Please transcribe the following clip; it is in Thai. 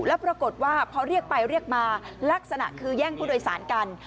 แล้วปรากฏว่าพอเรียกไปเรียกมาลักษณะคือแย่งผู้โดยสารกัน